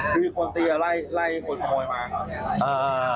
คือคนตีไล่คนขโมยมา